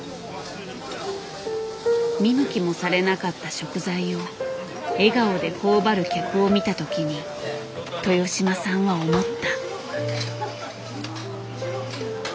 見向きもされなかった食材を笑顔で頬張る客を見た時に豊島さんは思った。